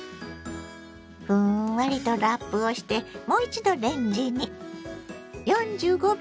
ふんわりとラップをしてもう一度レンジに。